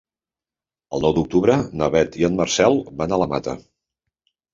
El nou d'octubre na Beth i en Marcel van a la Mata.